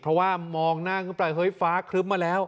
เพราะว่ามองหน้าขึ้นไปเฮ้ยฟ้าครึ้มมาแล้ว